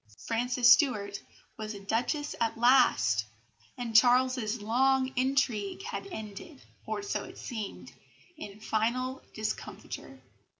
Frances Stuart was a Duchess at last; and Charles's long intrigue had ended (or so it seemed) in final discomfiture.